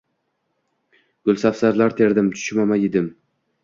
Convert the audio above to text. Gulsafsarlar terdim, chuchmoma yedim.